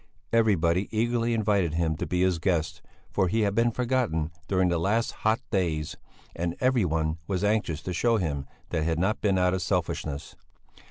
Everybody eagerly invited him to be his guest, for he had been forgotten during the last hot days, and everyone was anxious to show him that it had not been out of selfishness.